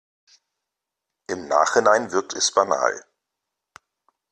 Im Nachhinein wirkt es banal.